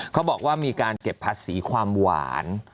เขาบอกว่ามีการเก็บภาษีความหวาน